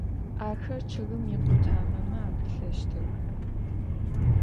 Axer ççıgım yikhutameme apıtlheştıx.